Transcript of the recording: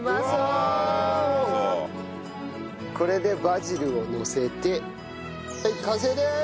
これでバジルをのせて完成です。